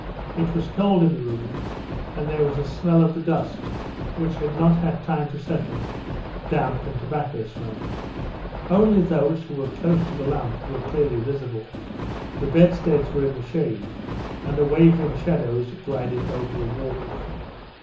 It was cold in the room, and there was a smell of the dust, which had not had time to settle, damp and tobacco smoke. Only those who were close to the lamp were clearly visible, the bedsteads were in the shade and wavering shadows glided over the walls.